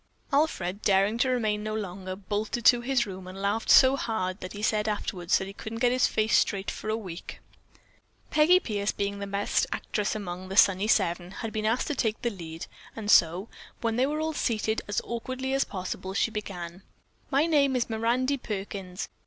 Alfred, daring to remain no longer, bolted to his room and laughed so hard that he said afterwards that he couldn't get his face straight for a week. Peggy Pierce, being the best actress among "The Sunny Seven," had been asked to take the lead, and so, when they were all seated as awkwardly as possible, she began: "My name is Mirandy Perkins.